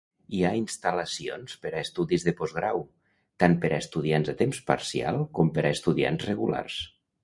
Hi ha instal·lacions per a estudis de postgrau, tant per a estudiants a temps parcial com per a estudiants regulars.